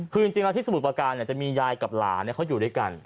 คือจริงแล้วที่สมุทรประการจะมียายกับหลานเขาอยู่ด้วยกัน